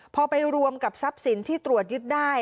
พอไปรวมกับทรัพย์สินที่ตรวจยึดได้